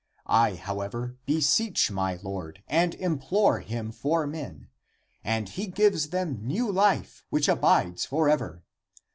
I, however, be seech my Lord and implore him for men, and he gives them new life, which abides forever.